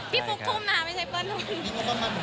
พี่ปุ๊กทุ่มนะไม่ใช่เปิ้ลทุ่ม